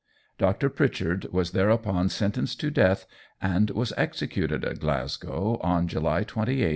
Dr. Pritchard was thereupon sentenced to death, and was executed at Glasgow on July 28, 1865.